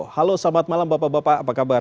halo selamat malam bapak bapak apa kabar